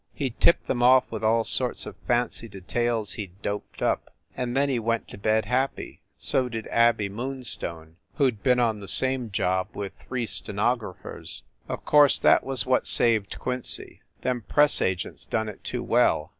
He tipped them off with all sorts of fancy details he d doped up, and then he went to bed happy; so did Abey Moonstone, who d been on the same job with three stenographers. Of course that was what saved Quincy them press agents done it too well.